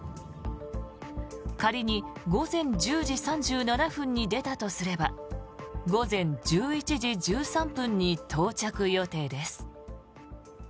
仮に午前１０時３７分に出たとすれば午前１１時１３分に到着予定です。